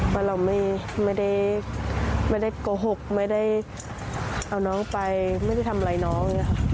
ว่าเราไม่ได้โกหกไม่ได้เอาน้องไปไม่ได้ทำอะไรน้อง